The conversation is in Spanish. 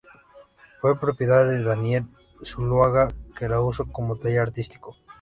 Fue propiedad de Daniel Zuloaga, que la usó como taller artístico.